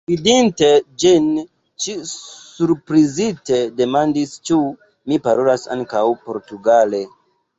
Vidinte ĝin, ŝi surprizite demandis, ĉu mi parolas ankaŭ portugale.